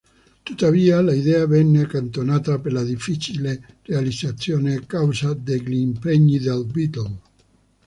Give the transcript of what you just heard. Tuttavia l'idea venne accantonata per la difficile realizzazione a causa degli impegni del Beatle.